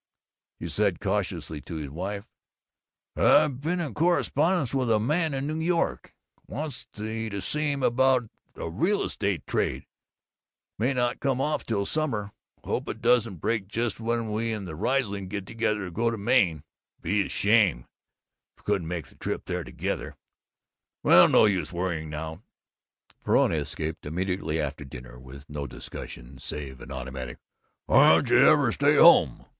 He said cautiously to his wife, "I've been in correspondence with a man in New York wants me to see him about a real estate trade may not come off till summer. Hope it doesn't break just when we and the Rieslings get ready to go to Maine. Be a shame if we couldn't make the trip there together. Well, no use worrying now." Verona escaped, immediately after dinner, with no discussion save an automatic "Why don't you ever stay home?"